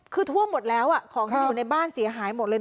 คือท่วมหมดแล้วของที่อยู่ในบ้านเสียหายหมดเลย